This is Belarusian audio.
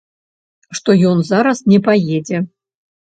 Што ён зараз не паедзе.